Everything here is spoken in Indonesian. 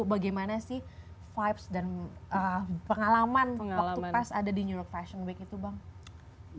bagaimana sih vibes dan pengalaman waktu pas ada di new york fashion week itu bang